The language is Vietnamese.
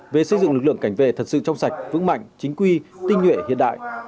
về xây dựng lực lượng cảnh vệ thật sự trong sạch vững mạnh chính quy tinh nhuệ hiện đại